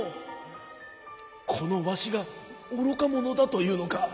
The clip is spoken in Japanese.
このわしがおろかものだというのか？